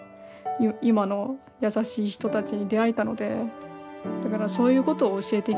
今の優しい人たちに出会えたのでだからそういうことを教えていきたいと思ってるんで。